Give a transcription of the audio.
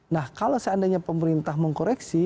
nah kalau seandainya pemerintah mengkoreksi